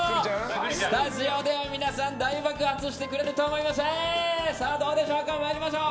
スタジオでは皆さん大爆発してくれると思います。